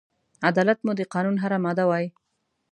عدالت مو د قانون هره ماده وای